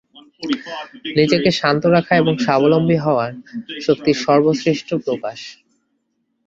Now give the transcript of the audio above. নিজেকে শান্ত রাখা এবং স্বাবলম্বী হওয়া শক্তির সর্বশ্রেষ্ঠ প্রকাশ।